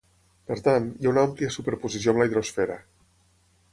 Per tant, hi ha una àmplia superposició amb la hidrosfera.